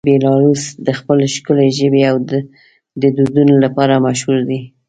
بیلاروس د خپل ښکلې ژبې او دودونو لپاره مشهوره دی.